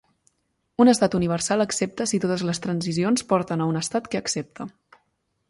Un estat universal accepta si totes les transicions porten a un estat que accepta.